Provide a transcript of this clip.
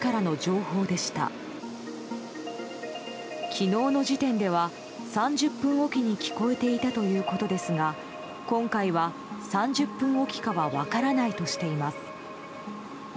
昨日の時点では３０分おきに聞こえていたということですが今回は、３０分おきかは分からないとしています。